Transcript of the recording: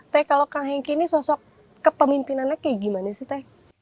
teh kalau kang henki ini sosok kepemimpinannya kayak gimana sih teh